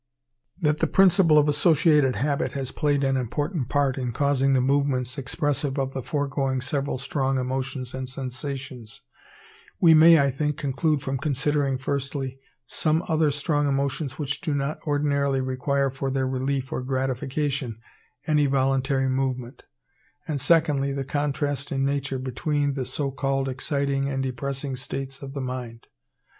That the principle of associated habit has played an important part in causing the movements expressive of the foregoing several strong emotions and sensations, we may, I think, conclude from considering firstly, some other strong emotions which do not ordinarily require for their relief or gratification any voluntary movement; and secondly the contrast in nature between the so called exciting and depressing states of the mind.